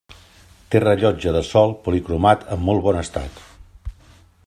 Té rellotge de sol policromat en molt bon estat.